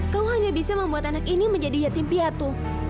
kau hanya bisa membuat anak ini menjadi yatim piatu